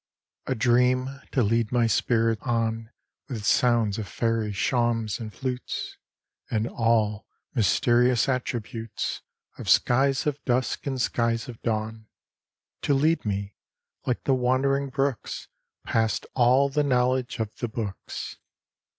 _ _A dream, to lead my spirit on With sounds of fairy shawms and flutes, And all mysterious attributes Of skies of dusk and skies of dawn: To lead me, like the wandering brooks, Past all the knowledge of the books.